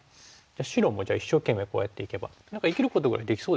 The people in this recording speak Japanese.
白もじゃあ一生懸命こうやっていけば何か生きることぐらいできそうですかね。